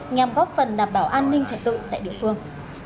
nhằm góp phần đảm bảo an ninh trật tự tại địa phương